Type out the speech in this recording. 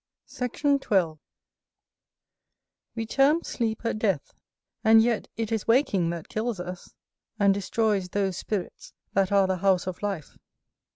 Sect. 12. We term sleep a death; and yet it is waking that kills us, and destroys those spirits that are the house of life.